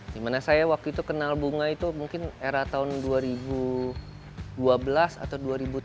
dimana saya waktu itu kenal bunga itu mungkin era tahun dua ribu dua belas atau dua ribu tiga belas